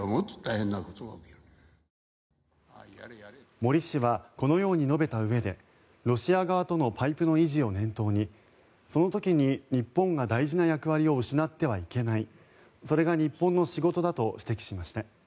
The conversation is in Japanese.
森氏はこのように述べたうえでロシア側とのパイプの維持を念頭にその時に日本が大事な役割を失ってはいけないそれが日本の仕事だと指摘しました。